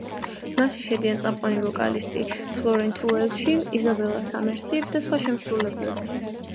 მასში შედიან წამყვანი ვოკალისტი ფლორენს უელჩი, იზაბელა სამერსი და სხვა შემსრულებლები.